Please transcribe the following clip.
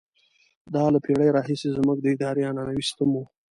دا له پېړیو راهیسې زموږ د ادارې عنعنوي سیستم وو.